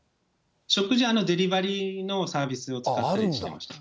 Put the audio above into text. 食事はデリバリーのサービスを使ってとっていました。